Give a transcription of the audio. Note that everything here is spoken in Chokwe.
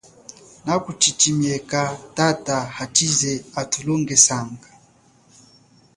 Naku chichimieka tata hachize atulongesanga.